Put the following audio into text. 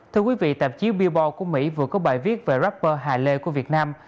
thưa quý vị tạp chiếu billboard của mỹ vừa có bài viết về rapper hải lê của việt nam